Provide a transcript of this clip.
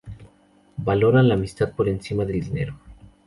Valoran la amistad por encima del dinero.